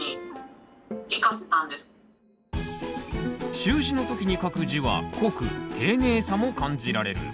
習字の時に書く字は濃く丁寧さも感じられる。